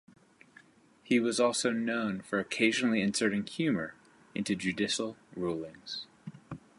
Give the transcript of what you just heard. He was also known for occasionally inserting humor into judicial rulings.